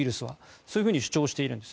そういうふうに主張しているんです。